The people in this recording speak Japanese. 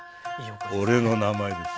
俺の名前です。